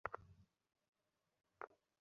ক্রীড়াবিদ আর ড্যান্সারদের শরীর বেস্ট হয়।